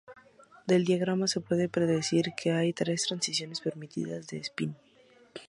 Del diagrama se puede predecir que hay tres transiciones permitidas de espín.